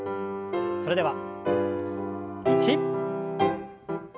それでは１。